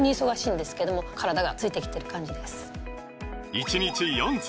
１日４粒！